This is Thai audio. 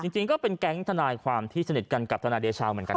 จริงก็เป็นแก๊งทนายความที่สนิทกันกับทนายเดชาเหมือนกัน